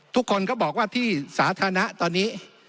ทุกคนก็บอกว่าที่สาธารณะตอนนี้